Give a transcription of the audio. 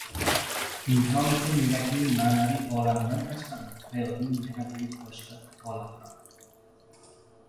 Inson uchun yurakning ma’naviy olamidan tashqari hayotning yana boshqa buyuk olami ham